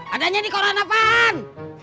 adanya di koran apaan